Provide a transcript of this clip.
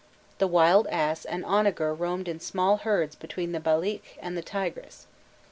The wild ass and onager roamed in small herds between the Balikh and the Tigris.